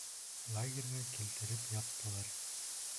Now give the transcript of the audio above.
Лагерға килтереп яптылар.